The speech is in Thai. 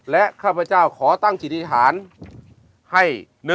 และข้าพเจ้าขอตั้งจิตธิษฐานให้